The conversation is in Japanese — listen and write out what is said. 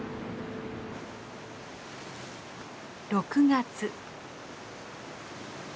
６月。